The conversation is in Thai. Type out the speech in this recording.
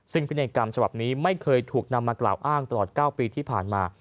ซึ่งพินัยกรรมฉบับนี้ไม่เคยถูกนำมากล่าวอ้างตลอด๙ปีที่ผ่านมา